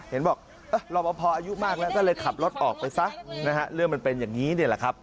เห็นบอกรอปภอายุมากแล้วก็เลยขับรถออกไปซะนะฮะเรื่องมันเป็นอย่างนี้นี่แหละครับ